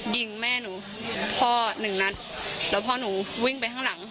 ยิงแม่หนูพ่อหนึ่งนัดแล้วพ่อหนูวิ่งไปข้างหลัง